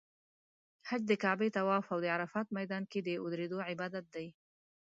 حج د کعبې طواف او د عرفات میدان کې د ودریدو عبادت دی.